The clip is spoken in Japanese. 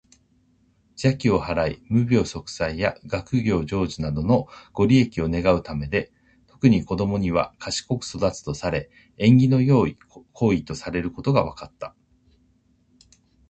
邪気を払い、無病息災や学業成就などのご利益を願うためで、特に子どもには「賢く育つ」とされ、縁起の良い行為とされていることが分かった。